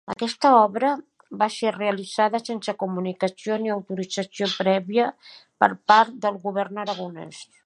Aquesta obra va ser realitzada sense comunicació ni autorització prèvia per part del govern aragonès.